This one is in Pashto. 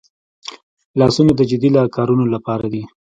لاسونه د جدي کارونو لپاره دي